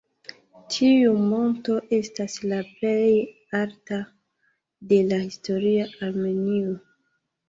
Tiu monto estas la plej alta de la historia Armenio.